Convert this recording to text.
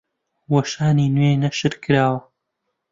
وەشانی نوێی نەشر کراوە